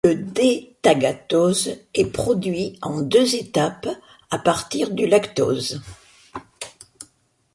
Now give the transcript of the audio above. Le D-tagatose est produit en deux étapes à partir du lactose.